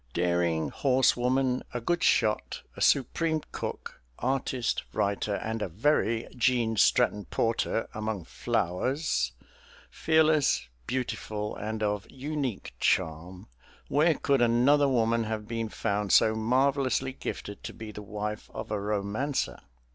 Daring horse woman, a good shot, a supreme cook, artist, writer, and a very Gene Stratton Porter among flowers, fearless, beautiful, and of unique charm where could another woman have been found so marvellously gifted to be the wife of a romancer?